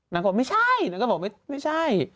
น้องขวัญก็บอกไม่ใช่